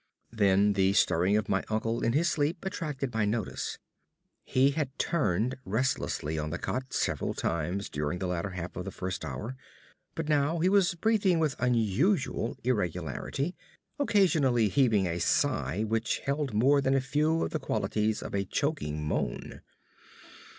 Then the stirring of my uncle in his sleep attracted my notice. He had turned restlessly on the cot several times during the latter half of the first hour, but now he was breathing with unusual irregularity, occasionally heaving a sigh which held more than a few of the qualities of a choking moan.